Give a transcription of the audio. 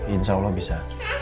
insya allah bisa